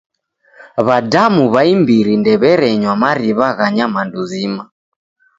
W'adamu w'a imbiri ndew'erenywa mariw'a gha nyamandu zima.